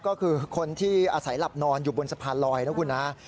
ก็คือคนที่อาศัยหลับนอนอยู่บนสะพานลอยนะคุณฮะ